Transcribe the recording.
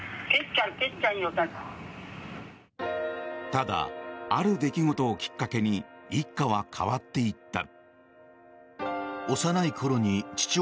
ただ、ある出来事をきっかけに一家は変わっていった。